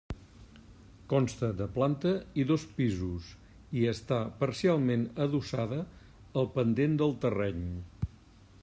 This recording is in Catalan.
Consta de planta i dos pisos i està parcialment adossada al pendent del terreny.